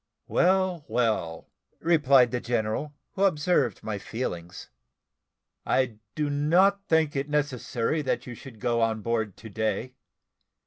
"Well, well," replied the general, who observed my feelings, "I do not think it is necessary that you should go on board to day.